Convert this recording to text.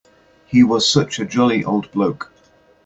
He was such a jolly old bloke.